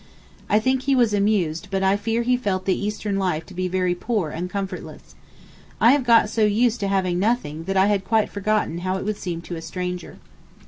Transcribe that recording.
I think he was amused but I fear he felt the Eastern life to be very poor and comfortless. I have got so used to having nothing that I had quite forgotten how it would seem to a stranger.